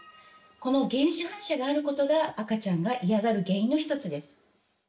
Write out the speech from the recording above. この原始反射があることが赤ちゃんが嫌がる原因の１つです。